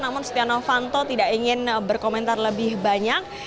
namun setia novanto tidak ingin berkomentar lebih banyak